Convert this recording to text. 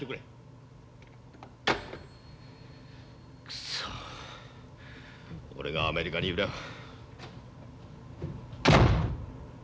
くそ俺がアメリカにいれば。